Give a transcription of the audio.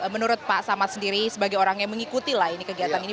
menurut pak samad sendiri sebagai orang yang mengikuti lah ini kegiatan ini